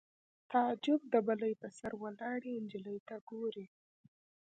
تعجب د بلۍ په سر ولاړې نجلۍ ته ګوري